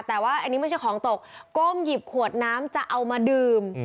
แต่ว่าอันนี้ไม่ใช่ของตกก้มหยิบขวดน้ำจะเอามาดื่ม